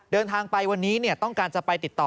เดินทางไปวันนี้ต้องการจะไปติดต่อ